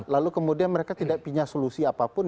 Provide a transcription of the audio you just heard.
lalu kemudian mereka tidak punya solusi apapun